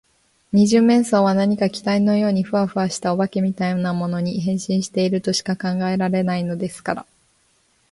二十面相は何か気体のようにフワフワした、お化けみたいなものに、変身しているとしか考えられないのですから。